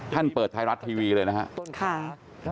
ท่านเปิดไทยรัฐทีวีเลยนะครับ